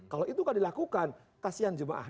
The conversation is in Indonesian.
kalau itu tidak dilakukan kasian jemaah